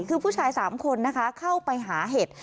คือผู้ชายสามคนเข้าไปหาเห็ด